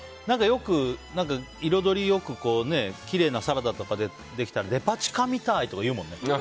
よく、彩り良くきれいなサラダとか出てきたらデパ地下みたい！とか言うもんね。